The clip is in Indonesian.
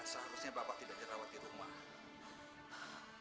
seharusnya bapak tidak dirawat di rumah